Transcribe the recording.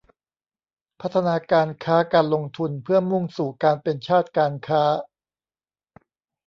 พัฒนาการค้าการลงทุนเพื่อมุ่งสู่การเป็นชาติการค้า